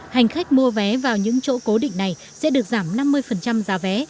hành khách mua vé vào những chỗ cố định này sẽ được giảm năm mươi giá vé